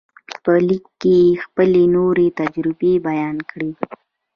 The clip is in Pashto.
په لیک کې یې خپلې نوې تجربې بیان کړې